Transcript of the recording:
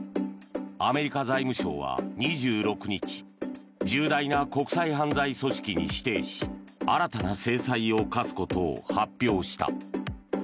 アメリカ財務省は２６日重大な国際犯罪組織に指定し新たな制裁を科すことを発表した。